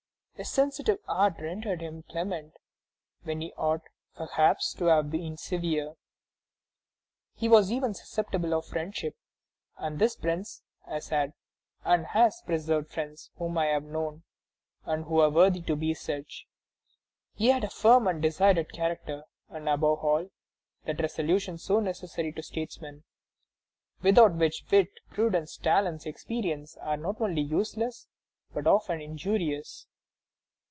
His sensitive heart rendered him clement, when he ought, perhaps, to have been severe; he was even susceptible of friendship, and this prince has had and has preserved friends whom I have known, and who were worthy to be such. He had a firm and decided character, and, above all, that resolution so necessary to statesmen, without which wit, prudence, talents, experience, are not only useless, but often injurious."